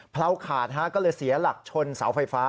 เผาขาดก็เลยเสียหลักชนเสาไฟฟ้า